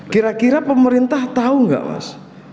kira kira pemerintah tahu nggak mas